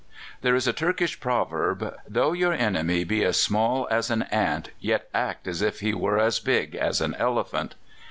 There is a Turkish proverb, "Though your enemy be as small as an ant, yet act as if he were as big as an elephant."